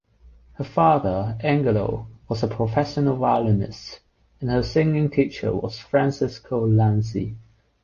Her father, Angelo, was a professional violinist, and her singing teacher was Francesco Lanzi.